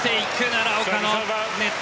奈良岡のネット